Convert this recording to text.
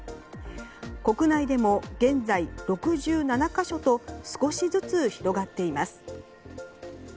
国内でも現在６７か所と少しずつ広がっています。